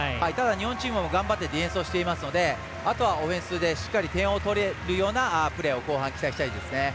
日本チームも頑張ってディフェンスしていますのであとはオフェンスでしっかり点を取れるようなプレーを後半、期待したいですね。